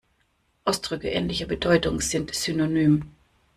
Ausdrücke ähnlicher Bedeutung sind synonym.